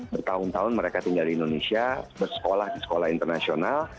bertahun tahun mereka tinggal di indonesia bersekolah di sekolah internasional